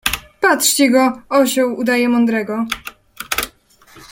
Patrzcie go: osioł, udaje mądrego.